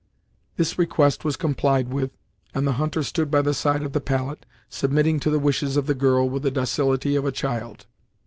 This request was complied with, and the hunter stood by the side of the pallet, submitting to the wishes of the girl with the docility of a child.